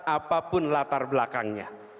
apapun latar belakangnya